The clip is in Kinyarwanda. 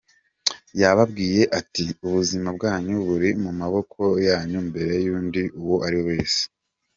Yababwiye ati :"Ubuzima bwanyu buri mu maboko yanyu mbere y’undi uwo ariwe wese.